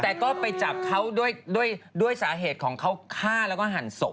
แต่ก็ไปจับเขาด้วยสาเหตุของเขาฆ่าแล้วก็หั่นศพ